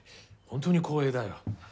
本当に光栄だよ